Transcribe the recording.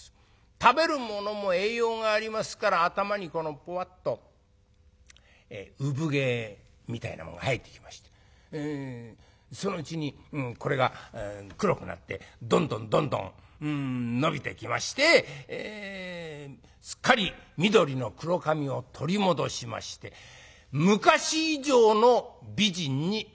食べるものも栄養がありますから頭にプワッと産毛みたいなものが生えてきましてそのうちにこれが黒くなってどんどんどんどん伸びてきましてすっかり緑の黒髪を取り戻しまして昔以上の美人になりまして。